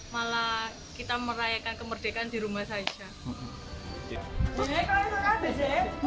malah kita merayakan kemerdekaan di rumah saja